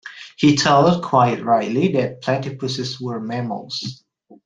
He thought, quite rightly, that platypuses were mammals.